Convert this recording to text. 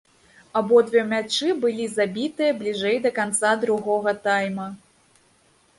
Абодва мячы былі забітыя бліжэй да канца другога тайма.